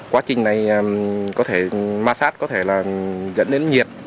quá trình này có thể massad có thể là dẫn đến nhiệt